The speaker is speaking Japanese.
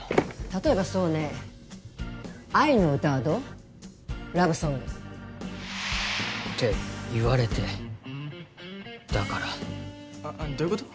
例えばそうね愛の歌はどう？ラブソングって言われてだからどういうこと？